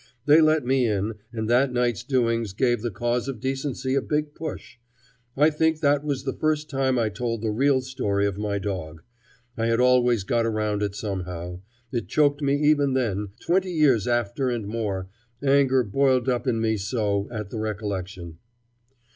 They let me in, and that night's doings gave the cause of decency a big push. I think that was the first time I told the real story of my dog. I had always got around it somehow; it choked me even then, twenty years after and more, anger boiled up in me so at the recollection.